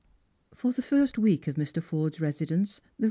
For the first week of Mr. Forde's residence the Eev.